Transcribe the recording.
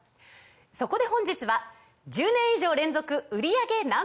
そこで本日は１０年以上連続売り上げＮｏ．１